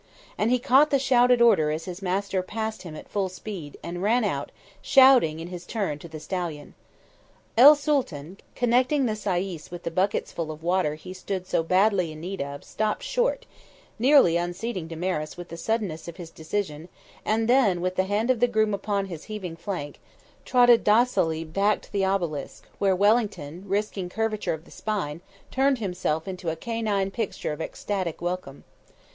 And he caught the shouted order as his master passed him at full speed, and ran out, shouting in his turn to the stallion. El Sooltan, connecting the sayis with the bucketsful of water he stood so badly in need of, stopped short, nearly unseating Damaris with the suddenness of his decision and then with the hand of the groom upon his heaving flank trotted docilely back to the Obelisk, where Wellington, risking curvature of the spine, turned himself into a canine picture of ecstatic welcome.